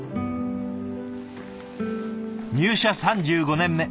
入社３５年目。